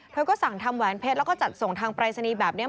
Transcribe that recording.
เธอก็สั่งทำแหวนเพชรแล้วก็จัดส่งทางปรายศนีย์แบบนี้